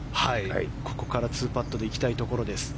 ここから２パットで行きたいところです。